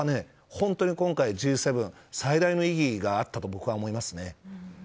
本当に今回のＧ７最大の意義があったと思います。